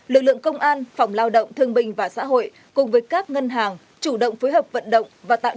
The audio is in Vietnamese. lực lượng công an phòng lao động thương bình và xã hội cùng với các ngân hàng chủ động phối hợp vận động và tạm